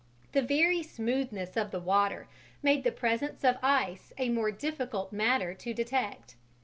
The very smoothness of the water made the presence of ice a more difficult matter to detect.